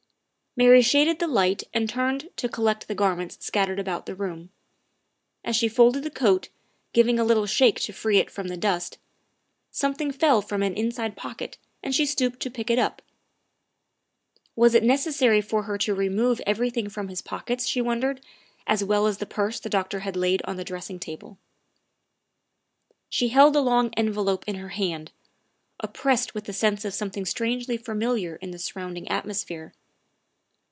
Mary shaded the light and turned to collect the gar ments scattered about the room. As she folded the coat, giving a little shake to free it from the dust, something fell from an inside pocket and she stooped and picked it up. Was it necessary for her to remove everything from his pockets, she wondered, as well as the purse the doctor had laid on the dressing table. She held the long envelope in her hand, oppressed with the sense of something strangely familiar in the surrounding atmosphere.